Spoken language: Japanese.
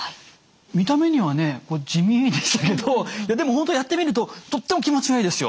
見た目にはね地味ですけどでも本当やってみるととっても気持ちがいいですよ。